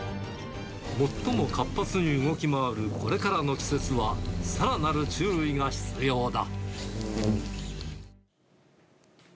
最も活発に動き回るこれからの季節は、さらなる注意が必要だ。